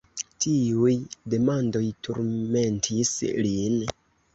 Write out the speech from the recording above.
Tiuj demandoj turmentis lin.